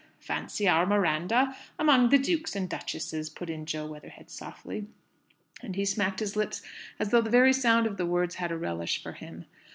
("Fancy our Miranda among the dukes and duchesses!" put in Jo Weatherhead, softly. And he smacked his lips as though the very sound of the words had a relish for him.)